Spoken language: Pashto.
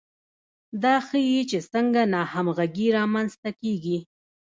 دا ښيي چې څنګه ناهمغږي رامنځته کیږي.